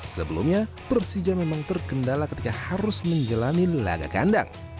sebelumnya persija memang terkendala ketika harus menjalani laga kandang